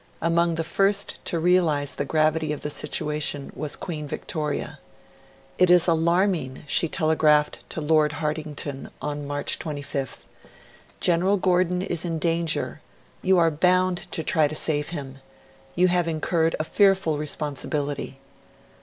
Among the first to realise the gravity of the situation was Queen Victoria. 'It is alarming,' she telegraphed to Lord Hartington on March 25th. 'General Gordon is in danger; you are bound to try to save him ... You have incurred a fearful responsibility.'